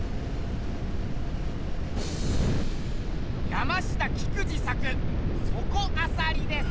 山下菊二作「そこあさり」です。